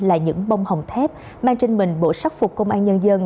là những bông hồng thép mang trên mình bộ sắc phục công an nhân dân